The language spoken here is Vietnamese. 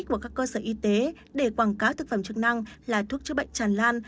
của các cơ sở y tế để quảng cáo thực phẩm chức năng là thuốc chữa bệnh tràn lan